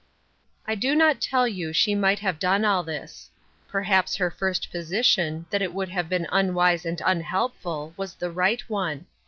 I do not tell you she might have done all this. Perhaps her first position, that it would have been unwise and unhelpful, was the right one.